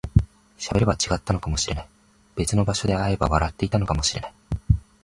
喋れば違ったのかもしれない、別の場所で会えば笑っていたかもしれない